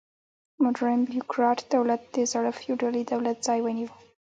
موډرن بیروکراټ دولت د زاړه فیوډالي دولت ځای ونیو.